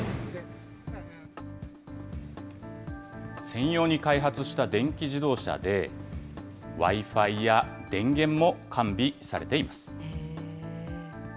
専用に開発した電気自動車で、Ｗｉ−Ｆｉや電源も完備されています。